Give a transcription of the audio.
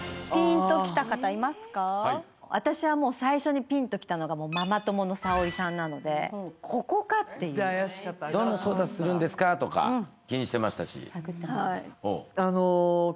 私はもう最初にピンときたのがなのでここかっていう「どんな捜査するんですか？」とか気にしてましたし探ってました